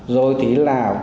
rồi thì là